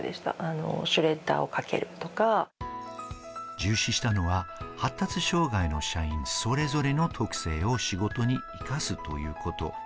重視したのは発達障害の社員それぞれの特性を仕事に生かすということ。